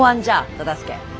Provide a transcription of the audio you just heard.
忠相。